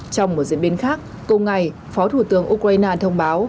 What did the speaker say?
trong một diễn biến khác cùng ngày phó thủ tướng ukraine thông báo